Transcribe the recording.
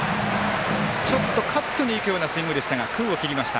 ちょっとカットにいくようなスイングでしたが空を切りました。